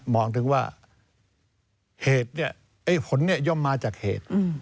ถึงว่าเหตุเนี่ยไอ้ผลเนี่ยย่อมมาจากเหตุ